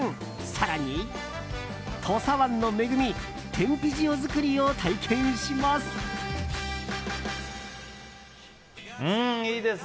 更に、土佐湾の恵み天日塩作りを体験します。